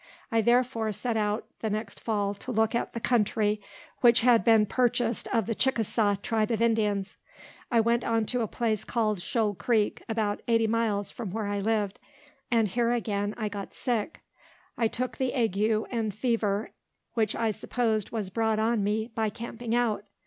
I therefore set out the next fall to look at the country which had been purchased of the Chickasaw tribe of Indians. I went on to a place called Shoal Creek, about eighty miles from where I lived, and here again I got sick. I took the ague and fever, which I supposed was brought on me by camping out.